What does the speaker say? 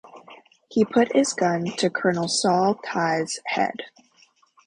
He puts his gun to Colonel Saul Tigh's head.